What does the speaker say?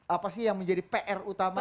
apa sih yang menjadi pr utama